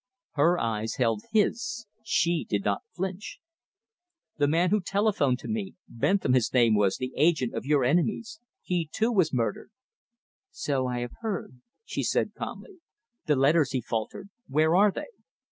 Her eyes held his she did not flinch. "The man who telephoned to me Bentham his name was, the agent of your enemies, he, too, was murdered!" "So I have heard," she said calmly. "The letters!" he faltered. "Where are they?"